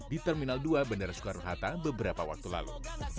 di terminal dua bandara soekarno hatta beberapa waktu lalu